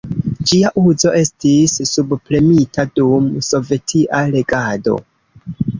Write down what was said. Ĝia uzo estis subpremita dum sovetia regado.